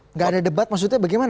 nggak ada debat maksudnya bagaimana